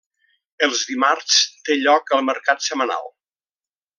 Els dimarts té lloc el mercat setmanal.